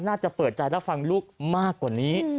น่าจะเปิดใจรับฟังลูกมากกว่านี้